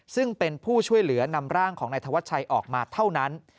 ซึ่งเป็นผู้ช่วยเหลือนำร่างของนายธวัชชัยออกมาเท่านั้น